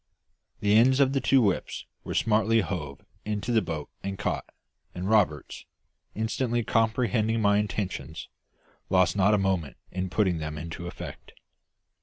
The ends of the two whips were smartly hove into the boat and caught, and Roberts, instantly comprehending my intentions, lost not a moment in putting them into effect.